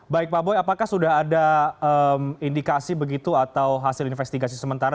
baik pak boy apakah sudah ada indikasi begitu atau hasil investigasi sementara